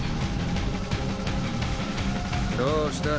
どうした？